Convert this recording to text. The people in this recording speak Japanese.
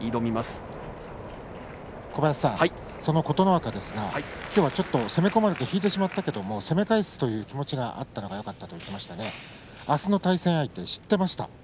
琴ノ若ですが、きょうはちょっと攻め込まれて引いてしまったけど攻め返すという気持ちがあったからよかったと言っていました。